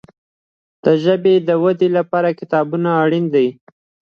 د ژبي د ودي لپاره کتابونه اړین دي.